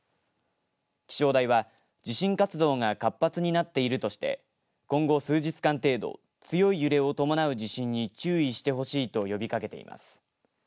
気象台は地震活動が活発になっているとして今後、数日間程度強い揺れを伴う地震に注意してほしいと呼びかけています。